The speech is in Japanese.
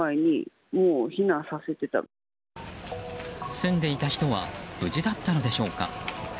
住んでいた人は無事だったのでしょうか？